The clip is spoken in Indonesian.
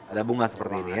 ada bunga seperti ini ya